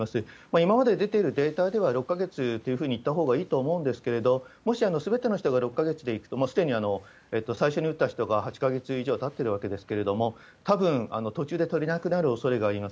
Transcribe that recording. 今まで出ているデータでは、６か月というふうに言ったほうがいいと思うんですけれども、もしすべての人が６か月でいくと、もうすでに最初に打った人が８か月以上たってるわけですけれども、たぶん途中で足りなくなるおそれがあります。